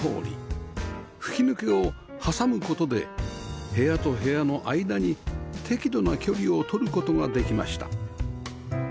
吹き抜けを挟む事で部屋と部屋の間に適度な距離を取る事ができました